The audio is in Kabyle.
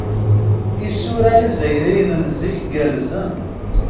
Isura izzayriyen n zik gerrzen.